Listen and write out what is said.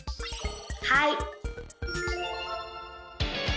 はい！